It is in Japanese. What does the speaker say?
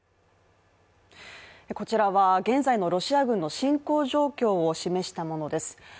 こちらは現在のロシア軍の侵攻状況を示したものです。